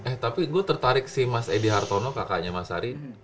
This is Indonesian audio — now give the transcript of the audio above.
eh tapi gue tertarik si mas edi hartono kakaknya mas ari